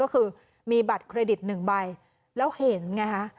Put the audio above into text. ก็คือมีบัตรเครดิตหนึ่งใบแล้วเห็นไงฮะ